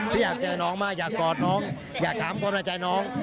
พี่อยากเจอน้องมากอยากกอดน้องอยากถามความในใจน้อง